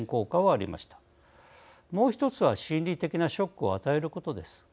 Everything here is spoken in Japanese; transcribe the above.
もう１つは心理的なショックを与えることです。